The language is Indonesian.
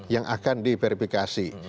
yang akan diverifikasi